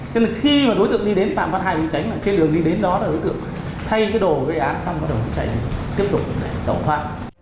cho nên khi đối tượng đi đến phạm phát hai bị tránh trên đường đi đến đó là đối tượng thay đồ gây án xong bắt đầu chạy tiếp tục đổ hoa